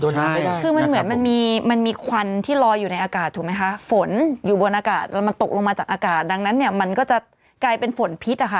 คือมันเหมือนมันมีมันมีควันที่ลอยอยู่ในอากาศถูกไหมคะฝนอยู่บนอากาศแล้วมันตกลงมาจากอากาศดังนั้นเนี่ยมันก็จะกลายเป็นฝนพิษอะค่ะ